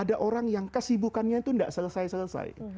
ada orang yang kesibukannya itu tidak selesai selesai